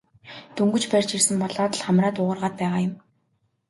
Дөнгөж барьж ирсэн болоод л хамраа дуугаргаад байгаа юм.